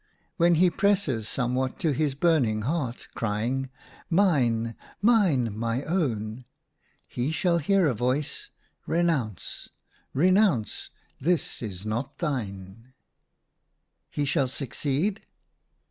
When he presses somewhat to his burning heart, crying, ' Mine, mine, my own !' he shall hear a voice —* Renounce ! re nounce ! this is not thine !'" "He shall succeed